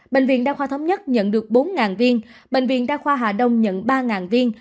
bệnh viện đa khoa thống nhất nhận được bốn viên bệnh viện đa khoa hà đông nhận ba viên